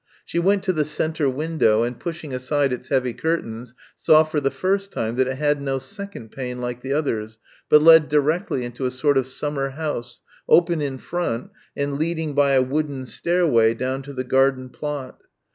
She went to the centre window and pushing aside its heavy curtains saw for the first time that it had no second pane like the others, but led directly into a sort of summer house, open in front and leading by a wooden stairway down to the garden plot.